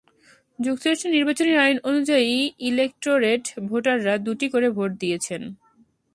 যুক্তরাষ্ট্রের নির্বাচনী আইন অনুযায়ী ইলেকটোরেট ভোটাররা দুটি করে ভোট দিয়েছেন।